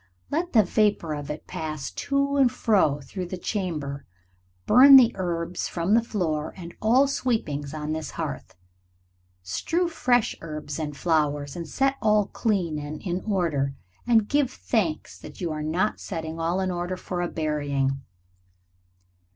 Let the vapor of it pass to and fro through the chamber, burn the herbs from the floor and all sweepings on this hearth; strew fresh herbs and flowers, and set all clean and in order, and give thanks that you are not setting all in order for a burying."